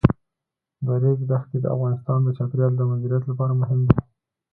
د ریګ دښتې د افغانستان د چاپیریال د مدیریت لپاره مهم دي.